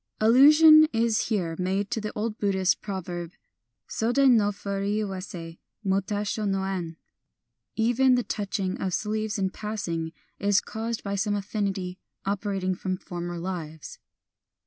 Allusion is here made to the old Buddhist proverb : Sodi no furi awasi mo tasho no en, —" Even the touching of sleeves in passing is caused by some affinity operating from former lives."